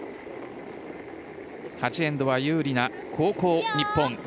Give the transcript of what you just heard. ８エンドは有利な後攻、日本。